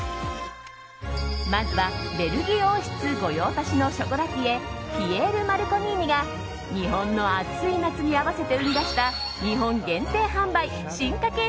まずはベルギー王室御用達のショコラティエピエール・マルコリーニが日本の暑い夏に合わせて生み出した日本限定販売進化形